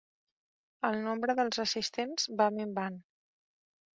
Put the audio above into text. El nombre dels assistents va minvant.